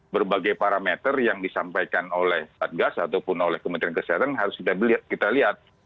berbagai parameter yang disampaikan oleh satgas ataupun oleh kementerian kesehatan harus kita lihat